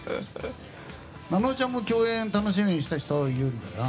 菜々緒ちゃんも共演楽しみにしていた人がいるんだよね。